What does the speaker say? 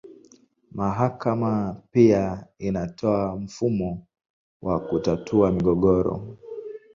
Mahakama pia inatoa mfumo wa kutatua migogoro.